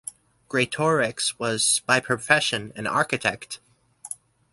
Greatorex was by profession an architect.